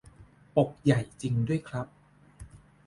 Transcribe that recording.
ปกใหญ่จริงด้วยครับ